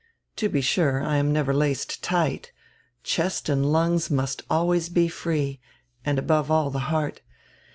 To be sure, I am never laced tight; chest and lungs must always be free, and, above all, the heart.